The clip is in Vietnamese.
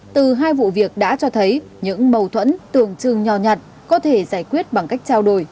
từ hai vụ việc đã cho thấy những mâu thuẫn tưởng chừng nhò nhặt có thể giải quyết bằng cách trao đổi